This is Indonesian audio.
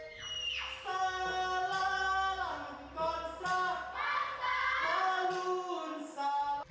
salam komsah komsah alun salam